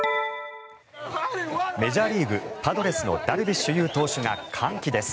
メジャーリーグパドレスのダルビッシュ有投手が歓喜です。